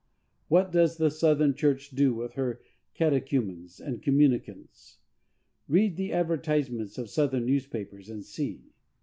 What does the Southern church do with her catechumens and communicants? Read the advertisements of Southern newspapers, and see.